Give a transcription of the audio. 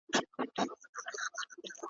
اقتصادي تعاون یو لوی فضیلت دی.